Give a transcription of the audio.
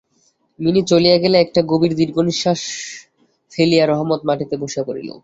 Mini চলিয়া গেলে একটা গভীর দীর্ঘনিশ্বাস ফেলিয়া রহমত মাটিতে বসিয়া পড়িল।